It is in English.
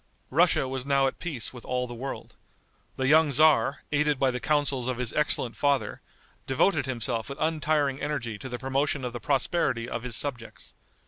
Russia was now at peace with all the world. The young tzar, aided by the counsels of his excellent father, devoted himself with untiring energy to the promotion of the prosperity of his subjects.